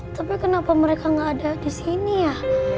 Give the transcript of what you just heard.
tapi kenapa mereka nggak ada di sini ya